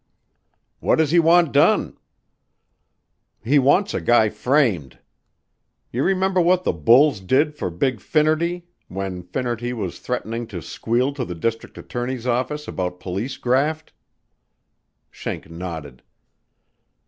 "What does he want done?" "He wants a guy framed. You remember what the bulls did for Big Finnerty, when Finnerty was threatening to squeal to the District Attorney's office about police graft?" Schenk nodded.